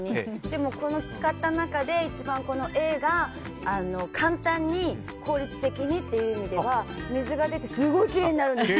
でも使った中で一番Ａが簡単に効率的にという意味では水が出てすごいきれいになるんです。